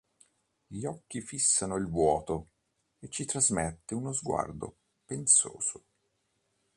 Gli occhi fissano il "vuoto" e ci trasmette uno sguardo pensoso.